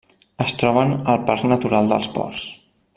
Es troben al Parc Natural dels Ports.